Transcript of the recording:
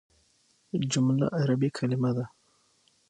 جمله عربي کليمه ده.